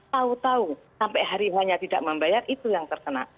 tahu tahu sampai hari hanya tidak membayar itu yang terkena